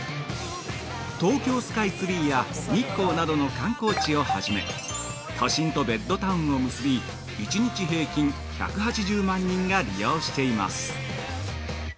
東京スカイツリーや日光などの観光地をはじめ、都心とベッドタウンを結び、１日平均１８０万人が利用しています。